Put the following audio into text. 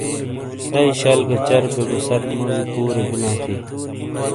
دئی شل گہ چربیوگہ ست موجی پورے بلاں تھیئ